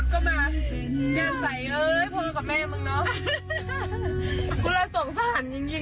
เห้ย